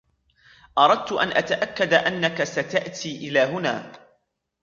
أردتُ أن أتأكد أنك ستأتي إلى هنا.